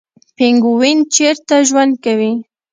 پینګوین چیرته ژوند کوي؟